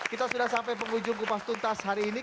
kita sudah sampai penghujung kupas tuntas hari ini